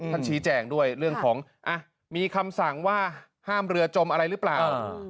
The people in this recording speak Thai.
ชี้แจงด้วยเรื่องของมีคำสั่งว่าห้ามเรือจมอะไรหรือเปล่า